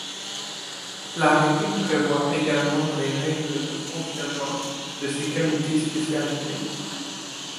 L'arrêté prévoit également les règles de fonctionnement de ces comités spécialisés.